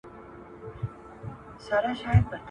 هغه په ډېر جرئت او مېړانې سره اصفهان فتح کړ.